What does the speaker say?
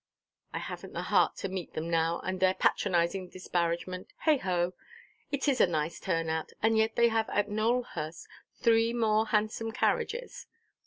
I havenʼt the heart to meet them now, and their patronizing disparagement. Heigho! It is a nice turn–out. And yet they have at Nowelhurst three more handsome carriages.